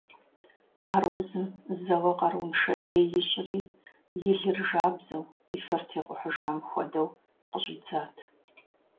Ар узым зэуэ къарууншэ Ӏеи ищӏри, и лыр жабзэу и фэр тегъухьыжам хуэдэу къыщӀидзат.